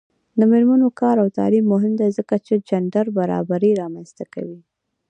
د میرمنو کار او تعلیم مهم دی ځکه چې جنډر برابري رامنځته کوي.